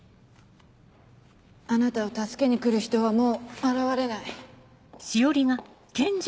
あなたを助けに来る人はもう現れない。